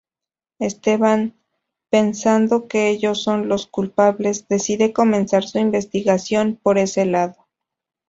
Esteban, pensando que ellos son los culpables, decide comenzar su investigación por ese lado.